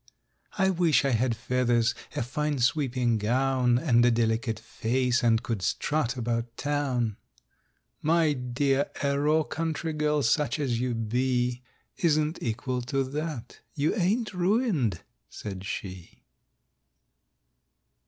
—"I wish I had feathers, a fine sweeping gown, And a delicate face, and could strut about Town!"— "My dear—a raw country girl, such as you be, Isn't equal to that. You ain't ruined," said she.